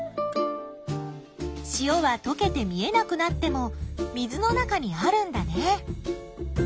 塩はとけて見えなくなっても水の中にあるんだね。